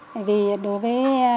bởi vì đối với